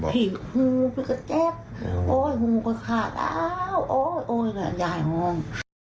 ผิดหูไปก็เจ็บโอ้ยก็ขาดโอ้ยนั่นแหละยายห้อง